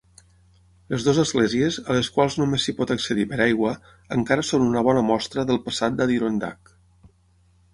Les dues esglésies, a les quals només s'hi pot accedir per aigua, encara són una bona mostra del passat d'Adirondack.